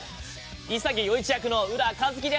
潔世一役の浦和希です。